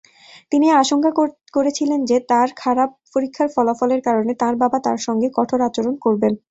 তিনি আশঙ্কা করেছিলেন যে তাঁর খারাপ পরীক্ষার ফলাফলের কারণে তাঁর বাবা তাঁর সঙ্গে কঠোর আচরণ করবেন।